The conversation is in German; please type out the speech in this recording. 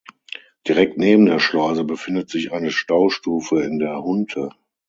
Direkt neben der Schleuse befindet sich eine Staustufe in der Hunte.